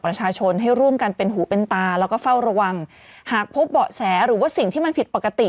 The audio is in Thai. ประชาชนให้ร่วมกันเป็นหูเป็นตาแล้วก็เฝ้าระวังหากพบเบาะแสหรือว่าสิ่งที่มันผิดปกติ